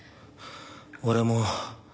俺も。